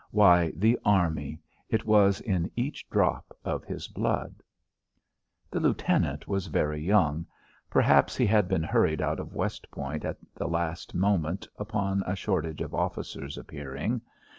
Why, the army! It was in each drop of his blood. The lieutenant was very young. Perhaps he had been hurried out of West Point at the last moment, upon a shortage of officers appearing.